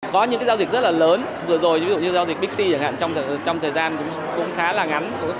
có những giao dịch rất là lớn vừa rồi ví dụ như giao dịch bixi chẳng hạn trong thời gian cũng khá là ngắn